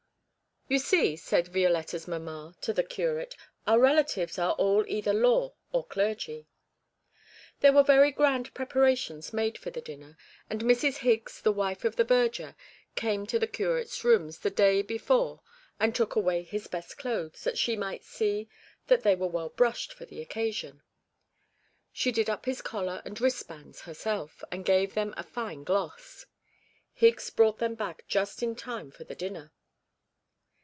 'You see,' said Violetta's mamma to the curate, 'our relatives are all either law or clergy.' There were very grand preparations made for the dinner, and Mrs. Higgs, the wife of the verger, came to the curate's rooms the day before and took away his best clothes, that she might see they were well brushed for the occasion. She did up his collar and wristbands herself, and gave them a fine gloss. Higgs brought them back just in time for the dinner.